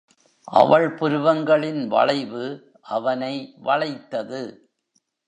அவள் புருவங்களின் வளைவு அவனை வளைத்தது.